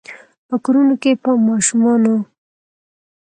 په کورونو کې به ماشومانو،